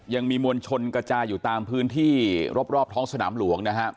ยังมีมวลชนกระจายอยู่ตามพื้นที่รอบท้องสนามหลวงนะครับ